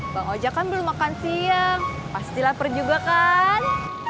bang ojek kan belum makan siang pasti lapar juga kan